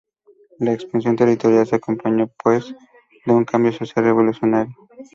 La expansión territorial se acompañó, pues, de un cambio social revolucionario.